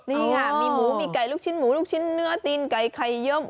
นี่ค่ะมีหมูมีไก่ลูกชิ้นหมูลูกชิ้นเนื้อตีนไก่ไข่เยอะ